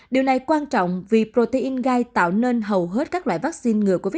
điều này quan trọng vì protein gai tạo nên hầu hết các loại vaccine ngừa covid một mươi chín